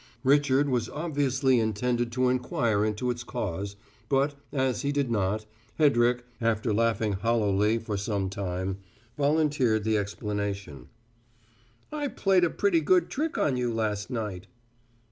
Richard was obviously intended to inquire into its cause, but, as he did not, Hedrick, after laughing hollowly for some time, volunteered the explanation: "I played a pretty good trick on you last night."